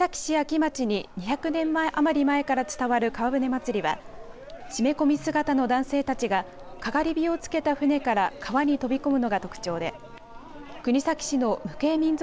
安岐町に２００年余り前から伝わる川舟祭は締め込み姿の男性たちがかがり火を付けた船から川に飛び込むのが特徴で国東市の無形民俗